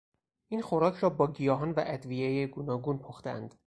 این خوراک را با گیاهان و ادویهی گوناگون پختهاند.